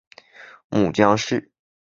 母江氏。